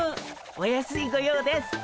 お安いご用です！